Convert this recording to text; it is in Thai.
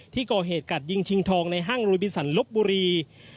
ที่ก่อเหตุกัดยิงชิงทองในห้างลุยบิสันลบบุรี